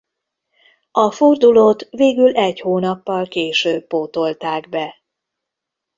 A fordulót végül egy hónappal később pótolták be.